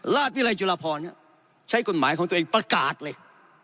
ราชวิรัยจุลพรใช้กฎหมายของตัวเองประกาศเลย